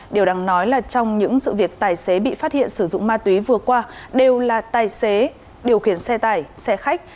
điều đáng nói là trong những sự việc tài xế bị phát hiện sử dụng ma túy vừa qua đều là tài xế điều khiển xe tải xe khách